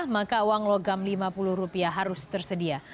maka uang logam rp lima puluh harus tersedia